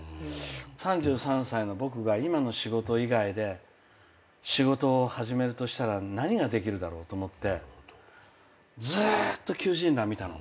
３３歳の僕が今の仕事以外で仕事を始めるとしたら何ができるだろうと思ってずーっと求人欄見たの。